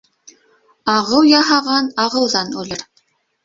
Ағыу яһаған ағыуҙан үлер